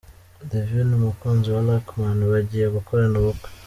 Divine umukunzi wa Luckyman bagiye gukorana ubukwe.